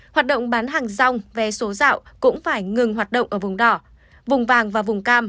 hoạt động bán hàng rong vé số dạo cũng phải ngừng hoạt động ở vùng đỏ vùng vàng và vùng cam